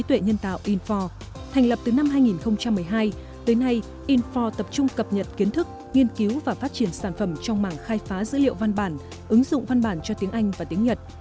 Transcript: từ năm hai nghìn một mươi hai tới nay info tập trung cập nhật kiến thức nghiên cứu và phát triển sản phẩm trong mảng khai phá dữ liệu văn bản ứng dụng văn bản cho tiếng anh và tiếng nhật